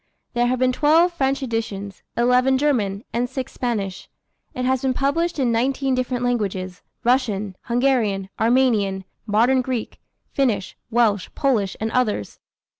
There have been twelve French editions, eleven German, and six Spanish. It has been published in nineteen different languages, Russian, Hungarian, Armenian, Modern Greek, Finnish, Welsh, Polish, and others.